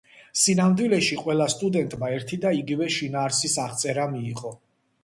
სინამდვილეში, ყველა სტუდენტმა ერთი და იგივე შინაარსის აღწერა მიიღო.